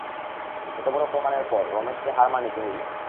এতবড়ো প্রমাণের পর রমেশকে হার মানিতে হইল।